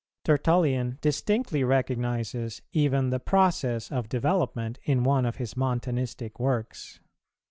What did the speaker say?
Tertullian distinctly recognizes even the process of development in one of his Montanistic works.